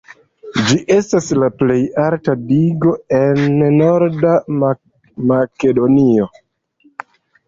Ĝi estas la plej alta digo en Norda Makedonio.